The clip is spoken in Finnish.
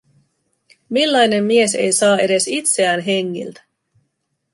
Millainen mies ei saa edes itseään hengiltä?